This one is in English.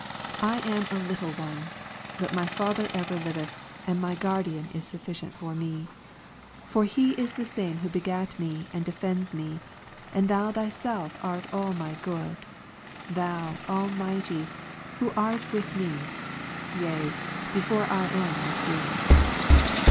I am a little one, but my Father ever liveth, and my Guardian is sufficient for me. For He is the same who begat me, and defends me : and Thou Thyself art all my good ; Thou, Almighty, Who art with me, yea, before I am with Thee.